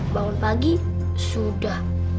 bangun pagi sudah